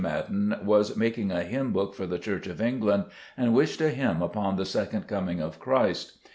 Madan was making a hymn book for the Church of England, and wished a hymn upon the second coming of Christ.